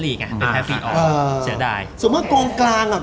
ส่วนใหญ่กรงกลางใช่ค่ะ